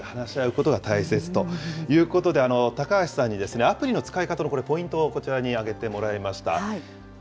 なるほど、ちゃんと親子で話し合うことが大切ということで、高橋さんに、アプリの使い方のポイントをこちらに挙げてもらいました。